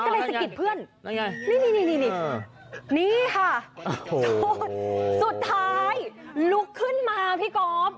นี่ค่ะสุดท้ายลุกขึ้นมาพี่กอล์ฟ